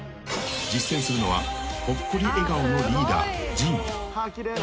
［実践するのはほっこり笑顔のリーダー］